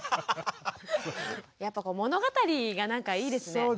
やっぱこう物語がなんかいいですね。